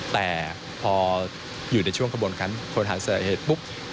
แต่พออยู่ในช่วงกระบวนการค้นหาสาเหตุปุ๊บ